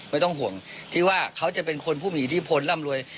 ไม่ต้องห่วงที่ว่าเขาจะเป็นคนผู้มีอิทธิพลร่ำรวย